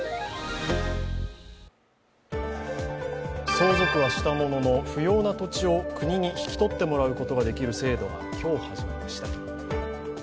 相続はしたものの、不要な土地を国に引き取ってもらうことができる制度が今日始まりました。